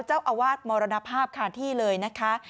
เจ้าอาวาสมรณภาพคาที่เลยนะคะ